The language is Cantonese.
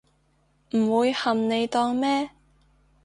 唔會冚你檔咩